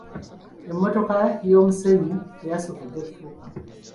Emmotoka y'omusenyu teyasobodde kutuuka.